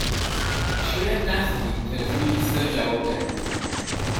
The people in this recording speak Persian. شاید نخواهید تلفن کسی را جواب دهید.